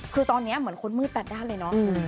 คือตอนนี้เหมือนคนมืดแปดด้านเลยเนาะ